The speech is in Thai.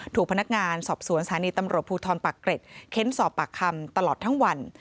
ถูกพนักงานสอบสวนสถานีตำรวจภูทรปากเกร็ดเค้นสอบปากคำตลอดทั้งวัน